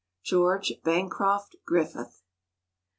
George Bancroft Griffith.